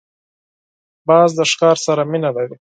باز د ښکار سره مینه لري